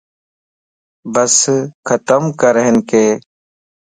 بس ختم ڪرھنڪ